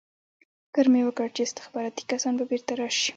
فکر مې وکړ چې استخباراتي کسان به بېرته راشي